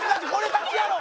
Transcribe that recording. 勝ちやろ！